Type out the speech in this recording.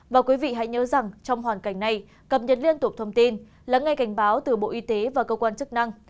và quý vị hãy nhớ rằng trong hoàn cảnh này cập nhật liên tục thông tin lắng nghe cảnh báo từ bộ y tế và cơ quan chức năng